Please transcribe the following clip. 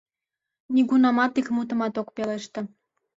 Нигунамат ик мутымат ок пелеште.